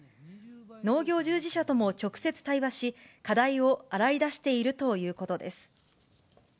農業従事者とも直接対話し、課題を洗い出しているということです。